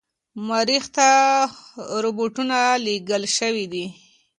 مریخ ته روباتونه لیږل شوي دي.